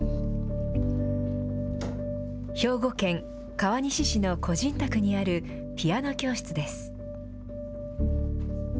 兵庫県川西市の個人宅にあるピアノ教室です。